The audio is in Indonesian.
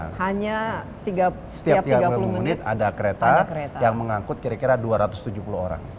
jadi hanya setiap tiga puluh menit ada kereta yang mengangkut kira kira dua ratus tujuh puluh orang